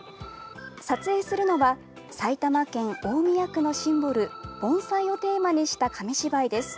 撮影するのは埼玉県大宮区のシンボル盆栽をテーマにした紙芝居です。